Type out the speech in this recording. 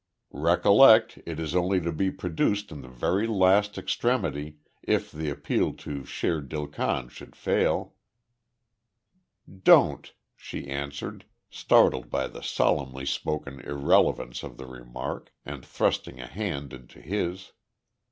"Recollect, it is only to be produced in the very last extremity, if the appeal to Shere Dil Khan should fail." "Don't," she answered, startled by the solemnly spoken irrelevance of the remark, and thrusting a hand into his.